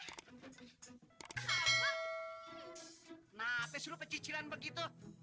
kenapa sih lu pecicilan begitu